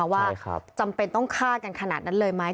ว่าจำเป็นต้องฆ่ากันขนาดนั้นเลยไหม